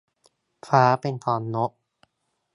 ฟ้าเป็นของนก